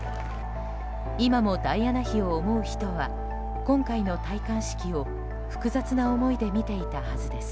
今もダイアナ妃を思う人は今回の戴冠式を複雑な思いで見ていたはずです。